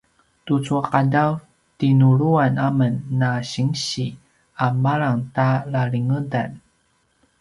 tucu a qadav tinuluan amen na sinsi a malang ta lalingedan